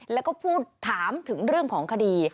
แล้วก็พูดถามถึงเรื่องของคดี